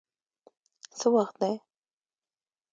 څه وخت دی؟